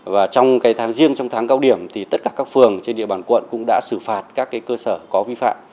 và riêng trong tháng cấu điểm tất cả các phường trên địa bàn quận cũng đã xử phạt các cơ sở có vi phạm